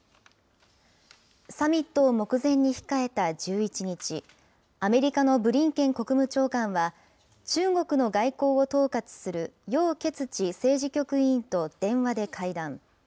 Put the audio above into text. サミットを目前に控えた１１日、アメリカのブリンケン国務長官は、中国の外交を統括する楊潔チ政治局委員と電話で会談。